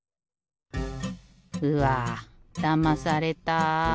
うわだまされた。